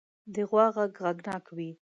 د غوا غږ غږناک وي.